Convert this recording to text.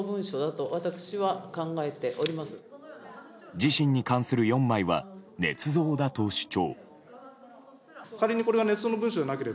自身に関する４枚はねつ造だと主張。